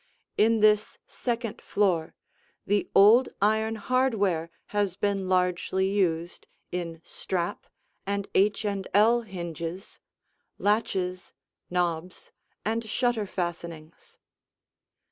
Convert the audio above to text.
In this second floor, the old iron hardware has been largely used in strap and H and L hinges, latches, knobs, and shutter fastenings.